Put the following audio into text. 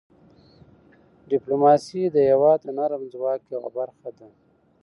ډيپلوماسي د هېواد د نرم ځواک یوه برخه ده.